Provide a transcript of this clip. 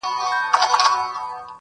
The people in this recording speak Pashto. او راپورونه جوړوي دلته-